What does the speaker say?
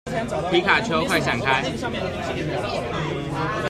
皮卡丘，快閃開